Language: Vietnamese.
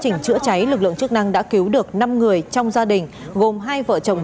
năm người trong gia đình gồm hai vợ chồng